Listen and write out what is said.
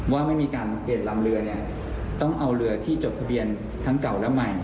ว่าไม่มีการเปลี่ยนลำเรือเนี่ยต้องเอาเรือที่จดทะเบียนทั้งเก่าและใหม่